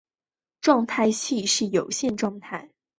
状态器是有限状态自动机的图形表示。